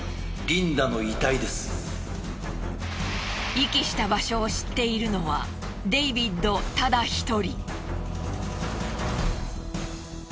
遺棄した場所を知っているのはデイビッドただ一人。